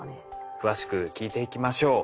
詳しく聞いていきましょう。